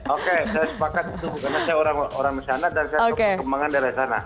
oke saya sepakat itu karena saya orang orang misalnya dan saya kekembangan dari sana